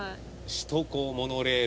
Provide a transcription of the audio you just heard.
首都高モノレール。